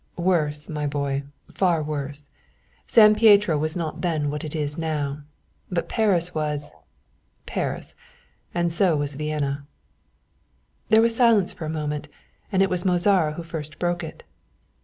"Worse, my dear boy, far worse. San Pietro was not then what it is now, but Paris was Paris and so was Vienna." There was silence for a moment, and it was Mozara who first broke it.